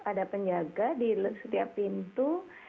ada penjaga di setiap pintu